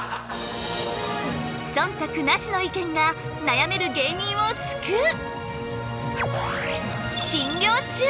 そんたくなしの意見が悩める芸人を救う！